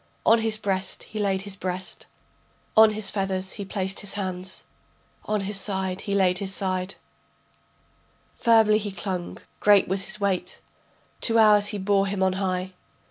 On his breast he laid his breast, On his feathers he placed his hands, On his side laid his side, Firmly he clung, great was his weight. Two hours he bore him on high.